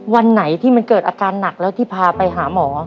วันไหนที่มันเกิดอาการหนักแล้วที่พาไปหาหมอ